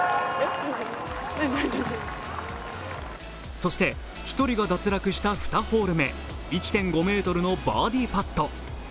そして、１人が脱落した２ホール目１．５ｍのバーディーパット。